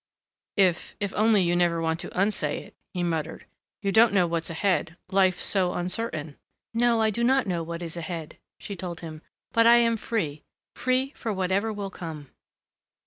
"If if only you never want to unsay it," he muttered. "You don't know what's ahead life's so uncertain " "No, I do not know what is ahead," she told him, "but I am free free for whatever will come."